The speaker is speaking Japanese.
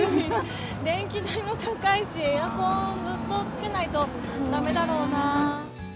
電気代も高いし、エアコンずっとつけないとだめだろうな。